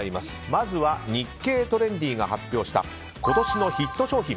まずは「日経トレンディ」が発表した今年のヒット商品